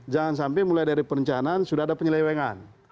jangan sampai mulai dari perencanaan sudah ada penyelewengan